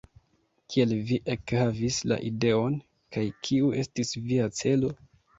Kiel vi ekhavis la ideon, kaj kiu estis via celo?